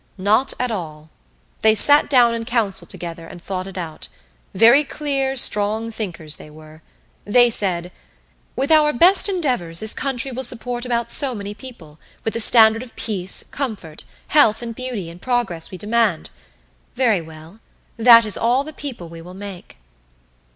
Not at all. They sat down in council together and thought it out. Very clear, strong thinkers they were. They said: "With our best endeavors this country will support about so many people, with the standard of peace, comfort, health, beauty, and progress we demand. Very well. That is all the people we will make."